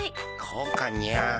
こうかにゃ。